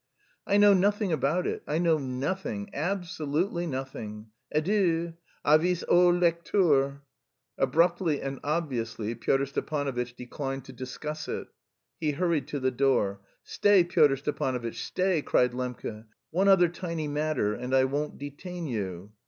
"I know nothing about it; I know nothing, absolutely nothing. Adieu. Avis au lecteur!" Abruptly and obviously Pyotr Stepanovitch declined to discuss it. He hurried to the door. "Stay, Pyotr Stepanovitch, stay," cried Lembke. "One other tiny matter and I won't detain you."